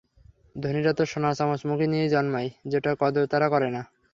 ধনীরা তো সোনার চামচ মুখে নিয়েই জন্মায় যেটার কদর তারা করে না।